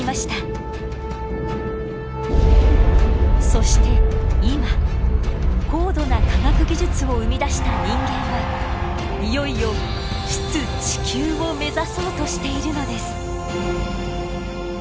そして今高度な科学技術を生み出した人間はいよいよ出・地球を目指そうとしているのです。